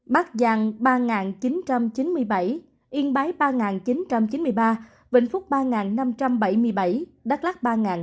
bắc giang ba chín trăm chín mươi bảy yên bái ba chín trăm chín mươi ba vịnh phúc ba năm trăm bảy mươi bảy đắk lắc ba bốn trăm bảy mươi chín